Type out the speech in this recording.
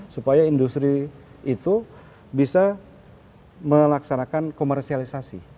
supaya industri itu bisa melaksanakan komersialisasi